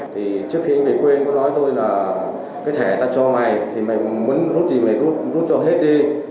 trước khi anh về quê anh có nói tôi là cái thẻ ta cho mày mày muốn rút gì mày rút cho hết đi